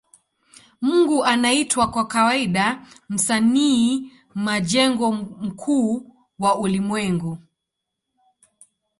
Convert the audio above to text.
Mungu anaitwa kwa kawaida Msanii majengo mkuu wa ulimwengu.